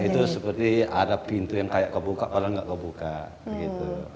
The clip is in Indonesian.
itu seperti ada pintu yang kayak kebuka orang nggak kebuka gitu